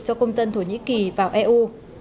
cho công dân thổ nhĩ kỳ vào eu